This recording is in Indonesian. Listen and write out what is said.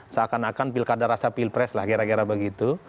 seakan akan pilkada rasa pilpres lah kira kira begitu